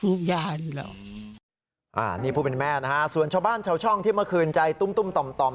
ยายอยู่แล้วอ่านี่ผู้เป็นแม่นะฮะส่วนชาวบ้านชาวช่องที่เมื่อคืนใจตุ้มตุ้มต่อมต่อม